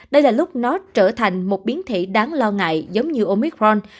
đây là lúc nó trở thành một biến thể đáng lo ngại giống như omicron